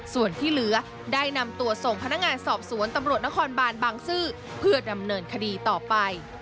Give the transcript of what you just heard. ส่วนที่เหลือได้นำตัวส่งพนักงานสอบสวนตำรวจนครบานบางซื่อเพื่อดำเนินคดีต่อไป